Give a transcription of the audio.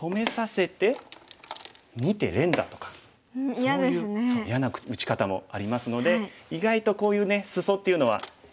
そう嫌な打ち方もありますので意外とこういうねスソっていうのは嫌なもんです。